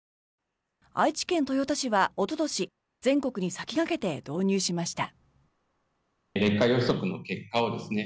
愛知県豊田市はおととし全国に先駆けて導入しました。